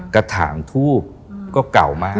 กระถามทูบก็เก่ามากแล้ว